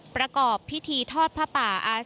ประกอบพิธีทอดผ้าป่า